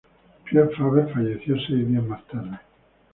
Piet Faber falleció seis días más tarde.